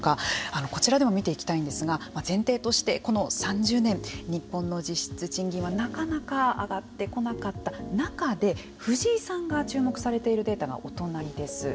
こちらでも見ていきたいんですが前提として、この３０年日本の実質賃金はなかなか上がってこなかった中で藤井さんが注目されているデータがお隣です。